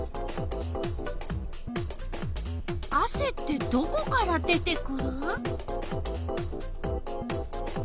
あせってどこから出てくる？